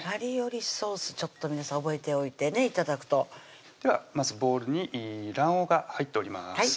ちょっと皆さん覚えておいてね頂くとではまずボウルに卵黄が入っております